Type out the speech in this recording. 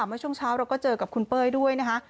เมื่อช่วงเช้าเราก็เจอกับคุณเป้ยด้วยนะคะ